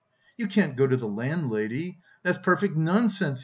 "You can't go to the landlady, that's perfect nonsense!"